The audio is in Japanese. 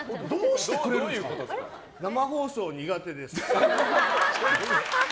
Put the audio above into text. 生放送、苦手です。